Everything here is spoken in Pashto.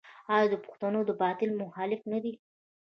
آیا پښتون د باطل مخالف نه دی؟